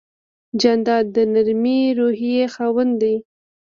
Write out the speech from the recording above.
جانداد د نرمې روحیې خاوند دی.